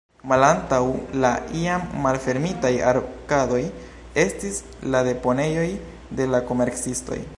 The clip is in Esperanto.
Malantaŭ la iam malfermitaj arkadoj estis la deponejoj de la komercistoj.